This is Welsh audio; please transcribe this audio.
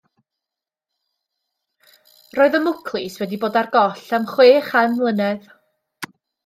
Roedd y mwclis wedi bod ar goll am chwe chan mlynedd.